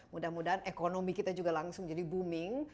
mudah mudahan ekonomi kita juga langsung jadi booming